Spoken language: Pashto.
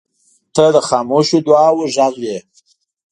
• ته د خاموشو دعاوو غږ یې.